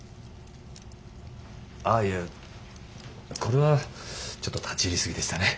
あいやこれはちょっと立ち入り過ぎでしたね。